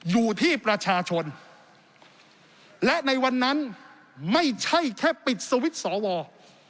อยู่ที่ประชาชนและในวันนั้นไม่ใช่แค่ปิดสวิตช์สอวอ